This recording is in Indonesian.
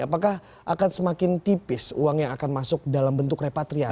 apakah akan semakin tipis uang yang akan masuk dalam bentuk repatriasi